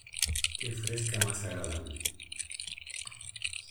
Qué fresca más agradable.